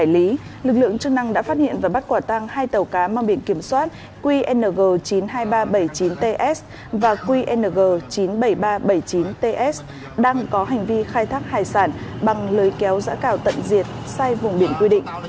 lực lượng chức năng đã phát hiện và bắt quả tăng hai tàu cá mang biển kiểm soát qng chín mươi hai nghìn ba trăm bảy mươi chín ts và qng chín mươi bảy nghìn ba trăm bảy mươi chín ts đang có hành vi khai thác hải sản bằng lưới kéo giã cào tận diệt sai vùng biển quy định